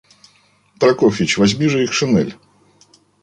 Прокофьич, возьми же их шинель.